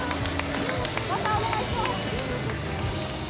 またお願いします